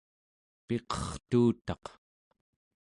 piqertuutaq